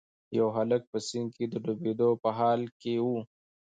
یو هلک په سیند کې د ډوبیدو په حال کې و.